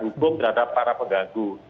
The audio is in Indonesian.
hubung terhadap para peganggu